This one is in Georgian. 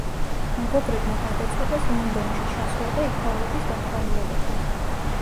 მეგობრებმა გადაწყვიტეს ლონდონში ჩასვლა და იქაურობის დათვალიერება.